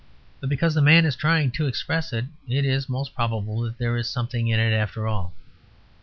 But because the man is trying to express it, it is most probable that there is something in it, after all.